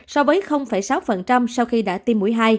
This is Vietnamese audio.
so với sáu sau khi đã tiêm mũi hai